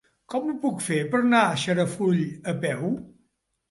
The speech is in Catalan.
Com ho puc fer per anar a Xarafull a peu?